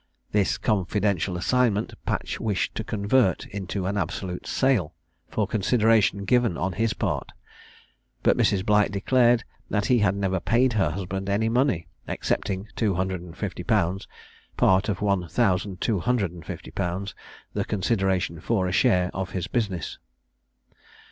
This confidential assignment Patch wished to convert into an absolute sale, for consideration given on his part; but Mrs. Blight declared that he had never paid her husband any money, excepting two hundred and fifty pounds, part of one thousand two hundred and fifty pounds, the consideration for a share of his business.